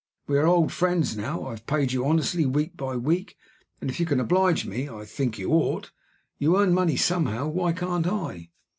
We are old friends now. I've paid you honestly week by week; and if you can oblige me, I think you ought. You earn money somehow. Why can't I?"